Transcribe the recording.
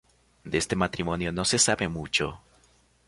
De este matrimonio no se sabe mucho.